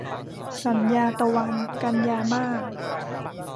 สัญญาตะวัน - กันยามาส